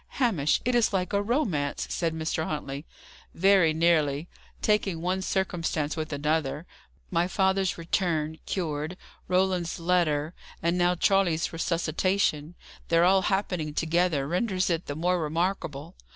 "Hamish, it is like a romance!" said Mr. Huntley. "Very nearly, taking one circumstance with another. My father's return, cured; Roland's letter; and now Charley's resuscitation. Their all happening together renders it the more remarkable.